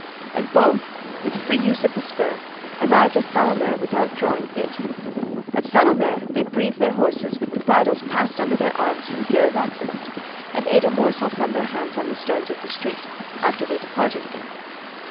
And both, with free use of the spur, arrived at St. Omer without drawing bit. At St. Omer they breathed their horses with the bridles passed under their arms for fear of accident, and ate a morsel from their hands on the stones of the street, after they departed again.